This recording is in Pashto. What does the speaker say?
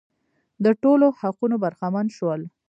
د ټولو حقونو برخمن شول.